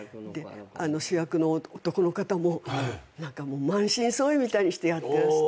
主役の男の方も満身創痍みたいにしてやってらして。